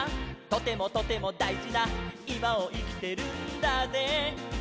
「とてもとてもだいじないまをいきてるんだぜ」